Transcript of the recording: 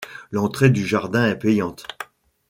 L'entrée du jardin est payante.